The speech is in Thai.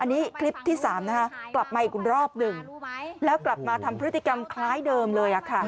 อันนี้คลิปที่๓กลับมาอีกรอบหนึ่งแล้วกลับมาทำพฤติกรรมคล้ายเดิมเลย